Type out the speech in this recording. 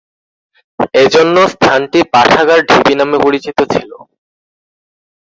এজন্য স্থানটি পাঠাগার ঢিবি নামে পরিচিত ছিল।